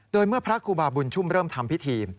โดยเมื่อพระครูบาบุญชุ่มเริ่มทำพิธี